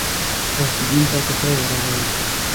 غوث الدين ته ټوخی ورغی.